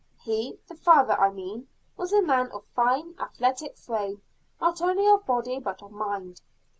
He, the father I mean, was a man of fine, athletic frame, not only of body but of mind.